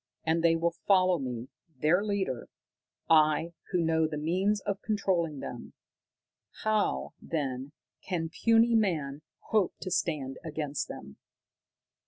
And they will follow me, their leader I, who know the means of controlling them. How, then, can puny man hope to stand against them?